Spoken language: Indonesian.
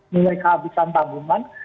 memiliki kehabisan tabungan